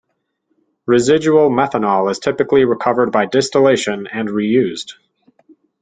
Residual methanol is typically recovered by distillation and reused.